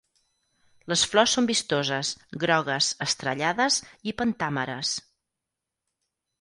Les flors són vistoses, grogues, estrellades i pentàmeres.